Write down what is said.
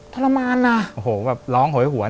ทรมานอะ